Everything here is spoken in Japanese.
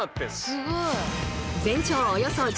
すごい。